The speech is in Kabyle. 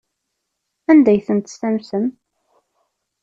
Anda ay ten-tessamsem?